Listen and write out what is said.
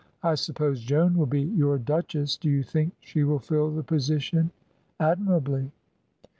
I suppose Joan will be your duchess. Do you think she will fill the position!" "Admirably."